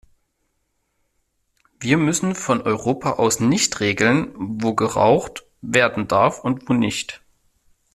Wir müssen von Europa aus nicht regeln, wo geraucht werden darf und wo nicht.